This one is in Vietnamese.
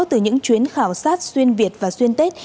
từ những chuyến khảo sát xuyên việt và xuyên tết